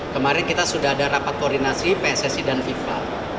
kemarin kita sudah ada rapat koordinasi pssi dan fifa